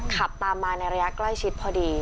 ขับตามมาในระยะใกล้ชิดพอดี